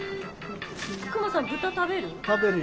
クマさん豚食べる？